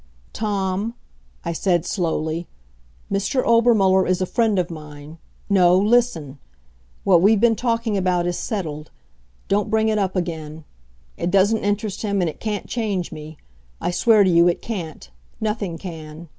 "Tom," I said slowly, "Mr. Obermuller is a friend of mine. No listen! What we've been talking about is settled. Don't bring it up again. It doesn't interest him and it can't change me; I swear to you, it can't; nothing can.